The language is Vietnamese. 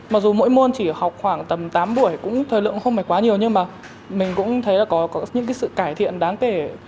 mặc dù mỗi môn chỉ học khoảng tầm tám buổi cũng thời lượng không phải quá nhiều nhưng mà mình cũng thấy là có những sự cải thiện đáng kể